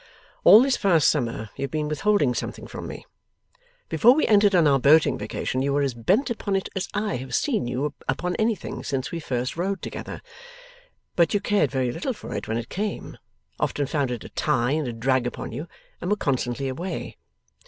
'All this past summer, you have been withholding something from me. Before we entered on our boating vacation, you were as bent upon it as I have seen you upon anything since we first rowed together. But you cared very little for it when it came, often found it a tie and a drag upon you, and were constantly away.